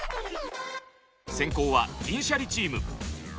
先攻は銀シャリチーム。